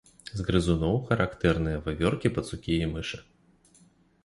З грызуноў характэрныя вавёркі, пацукі і мышы.